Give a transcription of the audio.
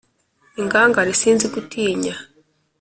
ingangare sinzi gutinya